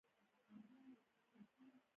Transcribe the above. دا کار انفلاسیون ته لار هواروي.